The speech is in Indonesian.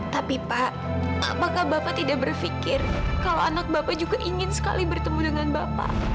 tapi pak apakah bapak tidak berpikir kalau anak bapak juga ingin sekali bertemu dengan bapak